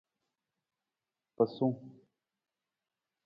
Pasung.